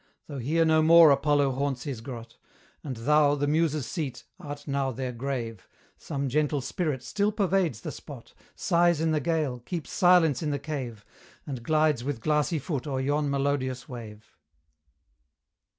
Though here no more Apollo haunts his grot, And thou, the Muses' seat, art now their grave, Some gentle spirit still pervades the spot, Sighs in the gale, keeps silence in the cave, And glides with glassy foot o'er yon melodious wave.